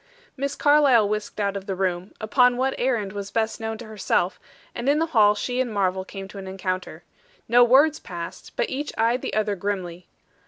Miss Carlyle whisked out of the room; upon what errand was best known to herself; and in the hall she and Marvel came to an encounter. No words passed, but each eyed the other grimly.